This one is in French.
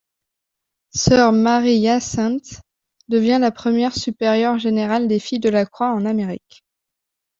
Sœur Marie-Hyacinthe devient la première supérieure générale des Filles de la Croix en Amérique.